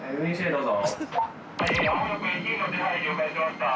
どうぞ。